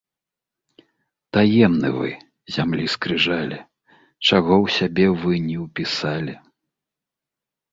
Таемны вы, зямлі скрыжалі! Чаго ў сябе вы не ўпісалі!